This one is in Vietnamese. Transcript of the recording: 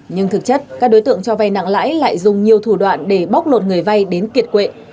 nhưng thực chất các đối tượng cho vay nặng lãi lại dùng nhiều thủ đoạn để bóc lột người vay đến kiệt quệ